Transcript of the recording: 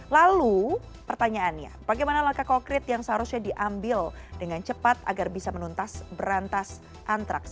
lalu pertanyaannya bagaimana langkah konkret yang seharusnya diambil dengan cepat agar bisa menuntas berantas antraks